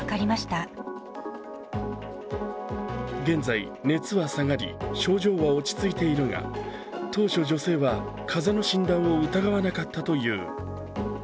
現在、熱は下がり症状は落ち着いているが、当初女性は風邪の診断を疑わなかったという。